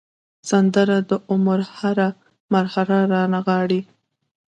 سندره د عمر هره مرحله رانغاړي